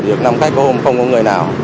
thì năm khách có hôm không có người nào